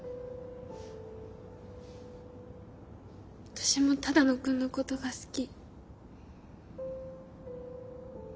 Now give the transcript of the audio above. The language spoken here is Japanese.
私も只野くんのことが好き。